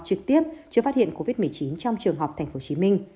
trực tiếp chưa phát hiện covid một mươi chín trong trường học tp hcm